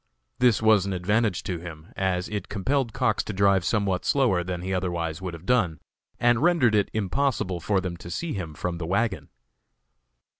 This was an advantage to him, as it compelled Cox to drive somewhat slower than he otherwise would have done, and rendered it impossible for them to see him from the wagon.